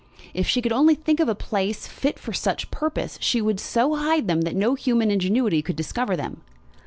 If she could only think of a place fit for such purpose she would so hide them that no human ingenuity could discover them.